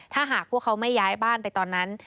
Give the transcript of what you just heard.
ถ้าหากพวกเขาไม่ย้ายบ้านไปตอนนั้น